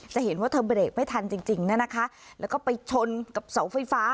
จะเห็นว่าเธอเบรกไม่ทันจริงจริงนะคะแล้วก็ไปชนกับเสาไฟฟ้า